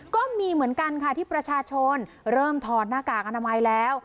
ก็มีเหมือนกันค่ะที่ประชาชนเริ่มถอดหน้ากากอนามัยแล้ว